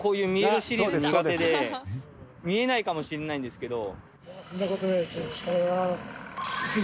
見えないかもしれないんですけど。